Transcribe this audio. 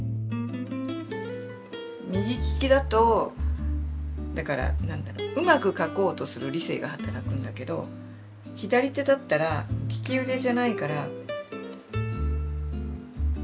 右利きだとだから何だろううまく書こうとする理性が働くんだけど発想みたいなのが働くんで何かう